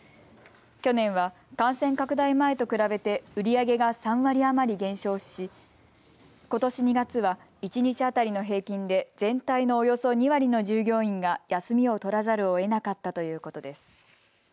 去年は感染拡大前と比べて売り上げが３割余り減少しことし２月は一日当たりの平均で全体のおよそ２割の従業員が休みを取らざるをえなかったということです。